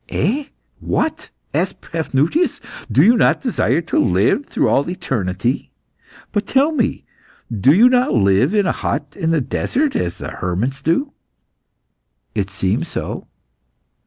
"Eh, what?" asked Paphnutius. "Do you not desire to live through all eternity? But, tell me, do you not live in a hut in the desert as the hermits do?" "It seems so."